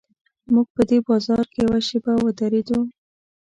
موږ په دې بازار کې یوه شېبه ودرېدو.